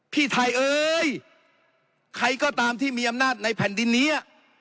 พี่ไทยเอ้ยใครก็ตามที่มีอำนาจในแผ่นดินนี้